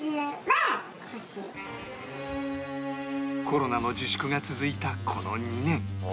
コロナの自粛が続いたこの２年